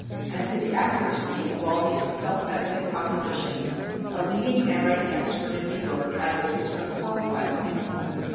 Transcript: And to the accuracy of all these self evident propositions a leading handwriting expert in New York added his unqualified opinion.